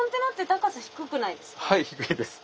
はい低いです。